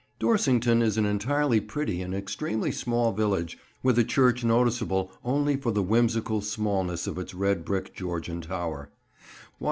Dorsington is an entirely pretty and extremely small village with a church noticeable only for the whimsical smallness of its red brick Georgian tower.